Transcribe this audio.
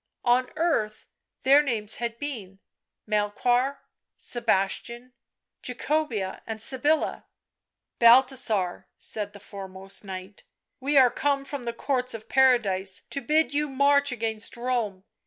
On earth their names had been Melchoir, Sebastian, Jacobea and Sybilla. " Balthasar," said the foremost Knight, " we are come from the courts of Paradise to bid you march against Rome.